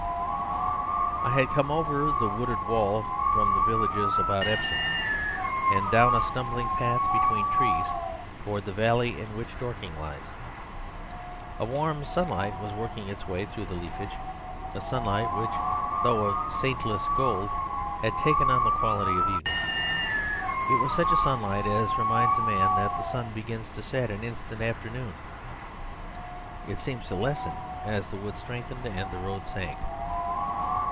..... I had come over the wooded wall from the villages about Epsom, and down a stumbling path between trees towards the valley in which Dorking lies. A warm sunlight was working its way through the leafage; a sunlight which though of saintless gold had taken on the quality of evening. It was such sunlight as reminds a man that the sun begins to set an instant after noon. It seemed to lessen as the wood strengthened and the road sank.